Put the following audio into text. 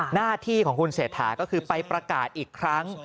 หน้าที่ของคุณเศรษฐาก็คือไปประกาศอีกครั้ง